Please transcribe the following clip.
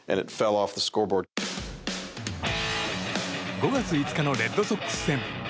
５月５日のレッドソックス戦。